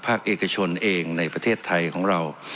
เอกชนเองในประเทศไทยของเรา